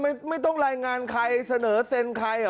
ไม่ต้องรายงานใครเสนอเซ็นใคร